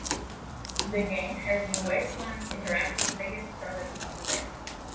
The game has been Wastelands Interactive biggest project up to date.